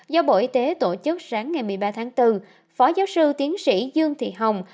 do bộ y tế tổ chức sáng ngày một mươi ba tháng bốn phó giáo sư tiến sĩ dương thị hồng